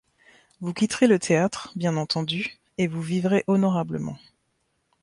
Vous quitterez le théâtre, bien entendu, et vous vivrez honorablement.